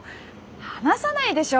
話さないでしょ